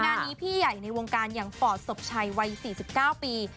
งานนี้พี่ใหญ่ในวงการอย่างปอดศพชัยวัย๔๙ปี